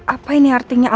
apa ini artinya